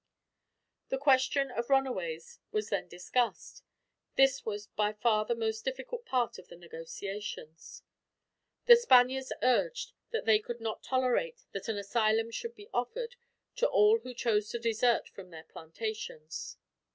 The question of runaways was then discussed. This was by far the most difficult part of the negotiations. The Spaniards urged that they could not tolerate that an asylum should be offered, to all who chose to desert from the plantations.